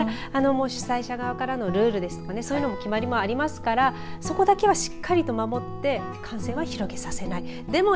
主催者側からのルールですとかそういうのも決まりもありますからそこだけはしっかりと守って感染は広げさせない。